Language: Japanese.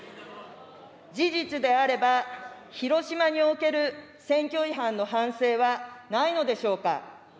事実であれば、広島における選挙違反の反省はないのでしょうか。